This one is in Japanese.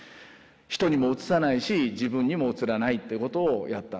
人にもうつさないし自分にもうつらないってことをやった。